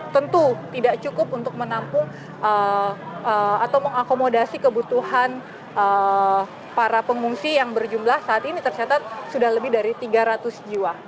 tentu tidak cukup untuk menampung atau mengakomodasi kebutuhan para pengungsi yang berjumlah saat ini tercatat sudah lebih dari tiga ratus jiwa